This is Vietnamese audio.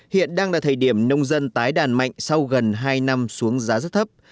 hiện đang là thời điểm nông dân tái đàn mạnh sau gần hai năm xuống giá rất thấp